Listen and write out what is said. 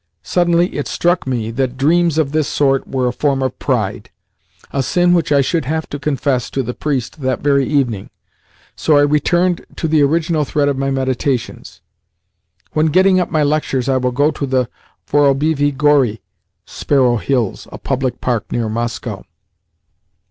Suddenly it struck me that dreams of this sort were a form of pride a sin which I should have to confess to the priest that very evening, so I returned to the original thread of my meditations. "When getting up my lectures I will go to the Vorobievi Gori, [Sparrow Hills a public park near Moscow.